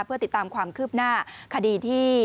เพื่อติดตามความคืบหน้าคดีที่